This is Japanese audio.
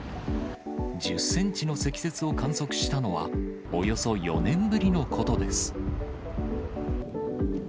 １０センチの積雪を観測したのは、およそ４年ぶりのことです。